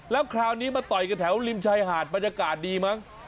แล้วคราวนี้มาต่อยกันแถวริมชายหาดบรรยากาศดีมั้ง